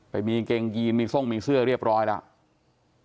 ไปมีกางเกงยีนมีทรงมีเสื้อเรียบร้อยแล้ว